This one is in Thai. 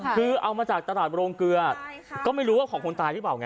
คือเอามาจากตลาดโรงเกลือก็ไม่รู้ว่าของคนตายหรือเปล่าไง